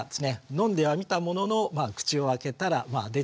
飲んではみたものの口を開けたら出ちゃった。